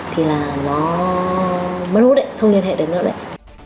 thì là nó mất lũ đấy không liên hệ được nữa đấy